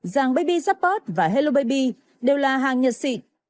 rằng baby support và hello baby đều là hàng nhật xịn